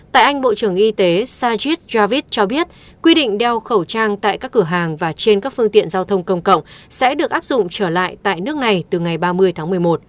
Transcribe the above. tại anh bộ trưởng y tế sajis javid cho biết quy định đeo khẩu trang tại các cửa hàng và trên các phương tiện giao thông công cộng sẽ được áp dụng trở lại tại nước này từ ngày ba mươi tháng một mươi một